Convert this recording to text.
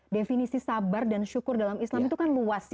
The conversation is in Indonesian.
definisi sabar dan syukur dalam islam itu kan luas ya